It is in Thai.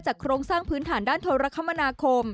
จากโครงสร้างพื้นฐานด้านธุรกรรมนาคม